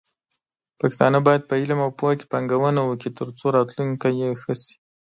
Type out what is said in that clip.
پښتانه بايد په علم او پوهه کې پانګونه وکړي، ترڅو راتلونکې يې ښه شي.